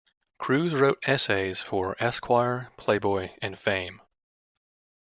Crews wrote essays for "Esquire", "Playboy", and "Fame".